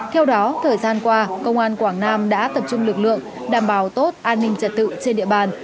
theo đó thời gian qua công an quảng nam đã tập trung lực lượng đảm bảo tốt an ninh trật tự trên địa bàn